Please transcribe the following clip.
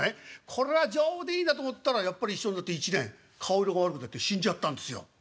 これは丈夫でいいなと思ったらやっぱり一緒になって１年顔色が悪くなって死んじゃったんですよ」。